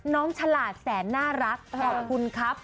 น้องฉลาดแต่น่ารักขอบคุณครับ